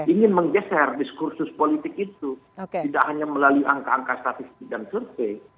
ingin menggeser diskursus politik itu tidak hanya melalui angka angka statistik dan survei